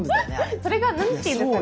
それが何て言うんですかね